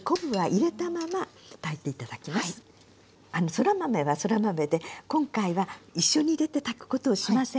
そら豆はそら豆で今回は一緒に入れて炊くことをしませんので。